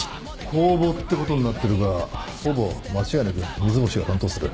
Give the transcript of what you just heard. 公募ってことになってるがほぼ間違いなく三ツ星が担当する。